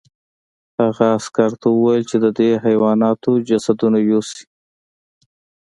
هغه عسکر ته وویل چې د دې حیواناتو جسدونه یوسي